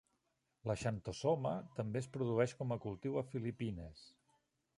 La "Xanthosoma" també es produeix com a cultiu a Filipines.